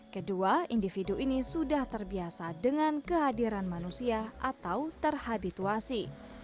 kedua individu ini sudah terbiasa dengan kehadiran manusia atau terhabituasi